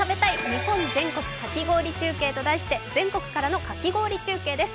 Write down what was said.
日本全国かき氷中継」と題して全国からのかき氷中継です。